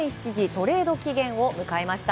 トレード期限を迎えました。